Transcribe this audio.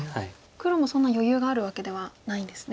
黒もそんな余裕があるわけではないんですね。